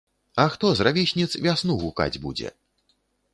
А хто з равесніц вясну гукаць будзе?